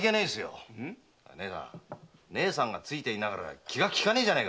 姉さんがついていながら気が利かねえな。